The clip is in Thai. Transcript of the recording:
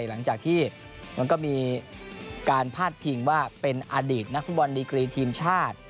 หลังจากที่มันก็มีการพาดพิงว่าเป็นอดีตนักฟุตบอลดีกรีทีมชาติ